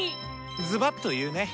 ズバっと言うね。